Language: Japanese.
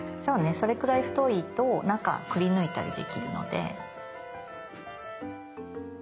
それくらい太いと中くりぬいたりできるので。